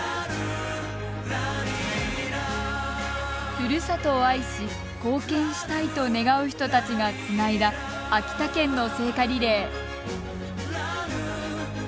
ふるさとを愛し、貢献したいと願う人たちがつないだ秋田県の聖火リレー。